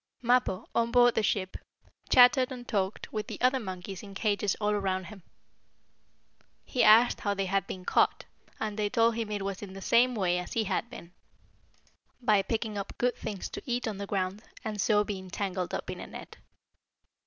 Mappo, on board the ship, chattered and talked with the other monkeys in cages all around him. He asked how they had been caught, and they told him it was in the same way as he had been by picking up good things to eat on the ground, and so being tangled up in a net.